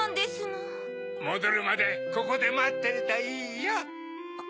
もどるまでここでまってるといいよ。